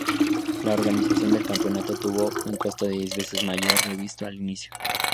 La organización del campeonato tuvo un costo diez veces mayor previsto al inicio.